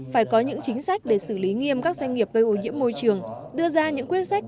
phải có những chính sách để xử lý nghiêm các doanh nghiệp gây ô nhiễm môi trường đưa ra những quyết sách